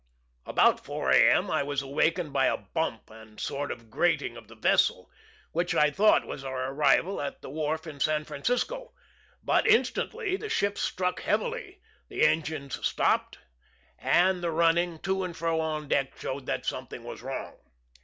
About 4 A. M. I was awakened by a bump and sort of grating of the vessel, which I thought was our arrival at the wharf in San Francisco; but instantly the ship struck heavily; the engines stopped, and the running to and fro on deck showed that something was wrong.